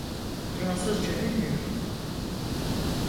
Fransızca bilmiyorum.